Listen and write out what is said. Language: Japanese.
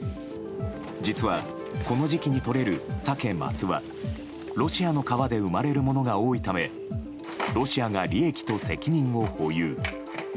実は、この時期にとれるサケ・マスはロシアの川で生まれるものが多いためロシアが利益と責任を保有。